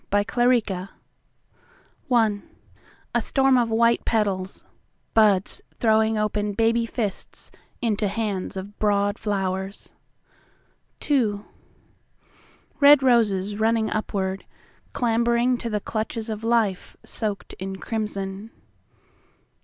The Year IA STORM of white petals, Buds throwing open baby fistsInto hands of broad flowers. IIRed roses running upward, Clambering to the clutches of lifeSoaked in crimson.